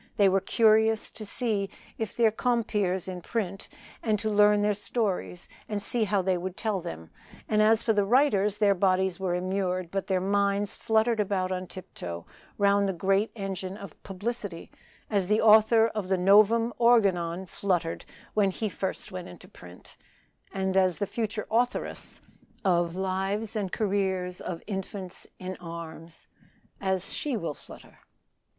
They were curious to see their compeers in print, and to learn their stories, and see how they would tell them; and as for the writers, their bodies were immured, but their minds fluttered about on tip toe round the great engine of publicity, as the author of the "Novum Organon" fluttered when he first went into print, and as the future authoress of "Lives and Careers of Infants in Arms" will flutter.